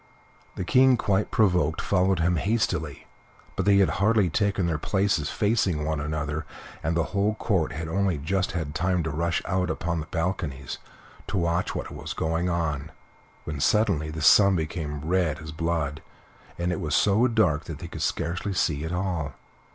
The King, quite provoked, followed him hastily, but they had hardly taken their places facing one another, and the whole Court had only just had time to rush out upon the balconies to watch what was going on, when suddenly the sun became as red as blood, and it was so dark that they could scarcely see at all.